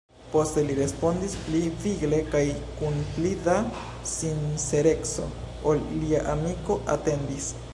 Poste li respondis pli vigle kaj kun pli da sincereco, ol lia amiko atendis: